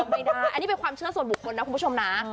ไม่ได้อันนี้เป็นความเชื่อส่วนบุคคลนะคุณผู้ชมนะ